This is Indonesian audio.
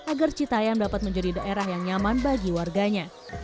agar citayam dapat menjadi daerah yang nyaman bagi warganya